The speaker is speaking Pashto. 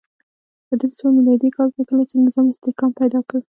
په درې سوه میلادي کال کې کله چې نظام استحکام پیدا کړ